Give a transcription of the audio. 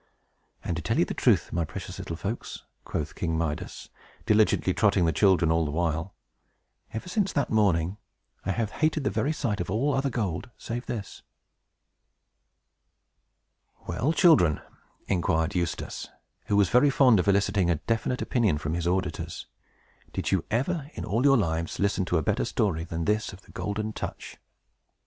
"And to tell you the truth, my precious little folks," quoth King Midas, diligently trotting the children all the while, "ever since that morning, I have hated the very sight of all other gold, save this!" SHADOW BROOK AFTER THE STORY "Well, children," inquired Eustace, who was very fond of eliciting a definite opinion from his auditors, "did you ever, in all your lives, listen to a better story than this of 'The Golden Touch'?"